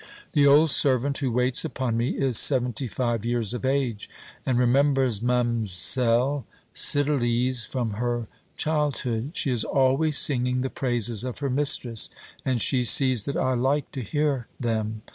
The old servant who waits upon me is seventy five years of age, and remembers Ma'amselle Cydalise from her childhood. She is always singing the praises of her mistress, and she sees that I like to hear them.